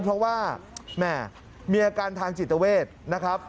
เพราะว่าแม่มีอาการทางจิตเวทนะครับ